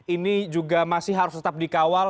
ini juga masih harus tetap dikawal